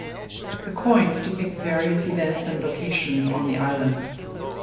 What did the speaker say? The coins depict various events and locations on the island.